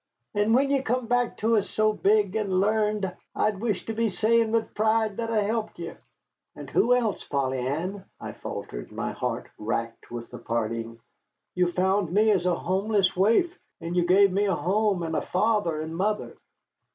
And when ye come back to us so big and l'arned, I'd wish to be saying with pride that I helped ye." "And who else, Polly Ann?" I faltered, my heart racked with the parting. "You found me a homeless waif, and you gave me a home and a father and mother."